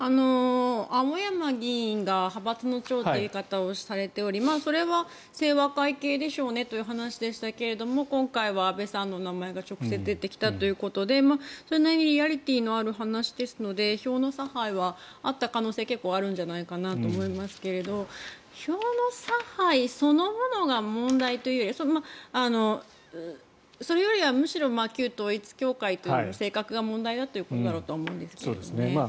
青山議員が派閥の長という言い方をされてそれは清和会系でしょうねという話でしたけど今回は安倍さんの名前が直接出てきたということですのでそれなりにリアリティーのある話ですので票の差配があった可能性は結構高いなと思いますが票の差配そのものが問題というよりはそれよりはむしろ旧統一教会というものの性格が問題だということだろうとは思うんですけどね。